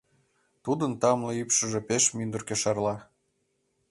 Тудын тамле ӱпшыжӧ пеш мӱндыркӧ шарла.